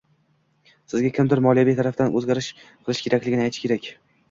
Sizga kimdir moliyaviy tarafdan oʻzgarish qilish kerakligini aytisih kerak.